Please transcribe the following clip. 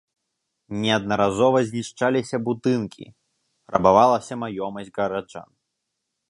Неаднаразова знішчаліся будынкі, рабавалася маёмасць гараджан.